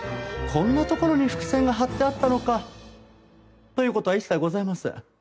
こんなところに伏線が張ってあったのかという事は一切ございません。